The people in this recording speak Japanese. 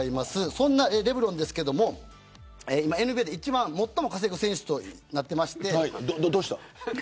そんなレブロンですけど今、ＮＢＡで最も稼ぐ選手となっていまして。